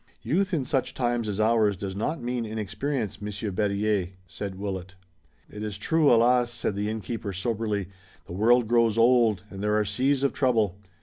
"Youth in such times as ours does not mean inexperience, Monsieur Berryer," said Willet. "It is true, alas!" said the innkeeper, soberly. "The world grows old, and there are seas of trouble.